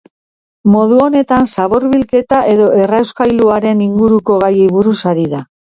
Modu honetan, zabor-bilketa edo errauskailuaren inguruko gaiei buruz ari da.